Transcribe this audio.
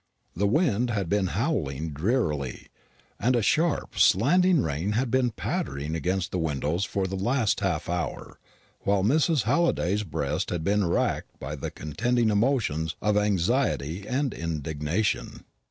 The wind had been howling drearily, and a sharp, slanting rain had been pattering against the windows for the last half hour, while Mrs. Halliday's breast had been racked by the contending emotions of anxiety and indignation.